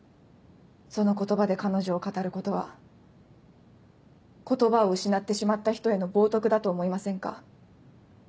その言葉で彼女を語ることは言葉を失ってしまった人への冒涜だと思いませんか？